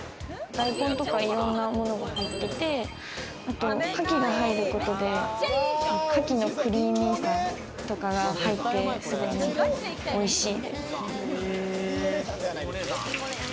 大根とか、いろんなものが入ってて、あとカキが入ることで牡蠣のクリーミーさがとかが入って、おいしい。